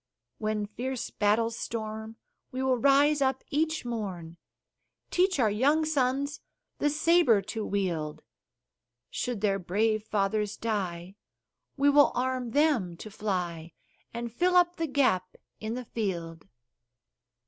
When fierce battles storm, we will rise up each morn, Teach our young sons the saber to wield: Should their brave fathers die, we will arm them to fly And fill up the gap in the field.